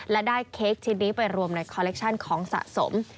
และได้เค้กชิ้นนี้ไปรวมในคอลเลคชั่นของสะสม